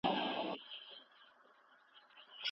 پرمختللي هېوادونه د تخنیک په برخه کي مخکښ دي.